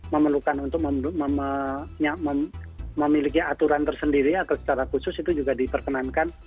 memerlukan untuk memiliki aturan tersendiri atau secara khusus itu juga diperkenankan